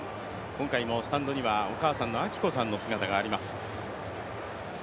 今回もスタンドにはお母さんの明子さんの姿があります。